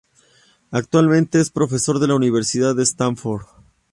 Actualmente es profesor de la Universidad de Stanford.